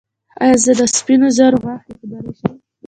ایا زه د سپینو زرو غاښ ایښودلی شم؟